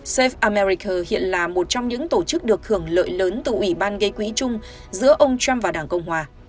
safe america hiện là một trong những tổ chức được hưởng lợi lớn từ ủy ban gây quý chung giữa ông trump và đảng công hòa